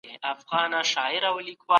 تر اورېدلو اغېزمن دي.